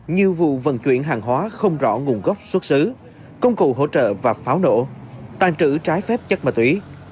như vụ vận chuyển hàng hóa không rõ nguồn gốc xuất xứ công cụ hỗ trợ và pháo nổ tàn trữ trái phép chất ma túy